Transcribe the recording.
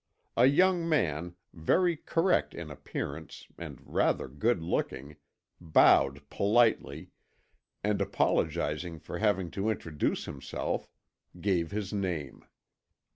A young man, very correct in appearance and rather good looking, bowed politely, and apologising for having to introduce himself, gave his name.